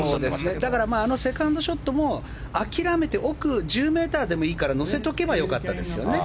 だからあのセカンドショットも諦めて奥１０ｍでもいいから乗せておけばよかったですよね。